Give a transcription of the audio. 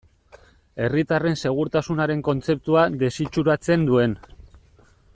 Herritarren segurtasunaren kontzeptua desitxuratzen duen.